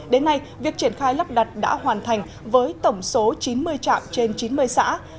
đến nay việc triển khai lắp đặt đã hoàn thành với tổng số chín mươi trạm trên chín mươi xã